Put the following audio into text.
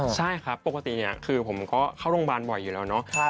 ใช่ครับปกติเนี่ยคือผมก็เข้าโรงพยาบาลบ่อยอยู่แล้วเนาะ